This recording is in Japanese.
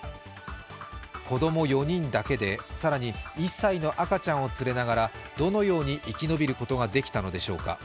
子供４人だけで、更に１歳の赤ちゃんを連れながらどのように生き延びることができたのでしょうか。